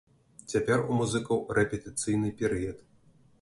Цяпер у музыкаў рэпетыцыйны перыяд.